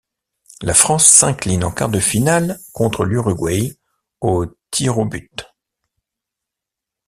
La France s'incline en quart de finale contre l'Uruguay aux tirs au but.